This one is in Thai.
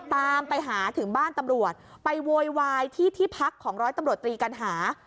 ตามไปหาถึงบ้านตำรวจไปโวยวายที่ที่พักของร้อยตำรวจตรีกัณหา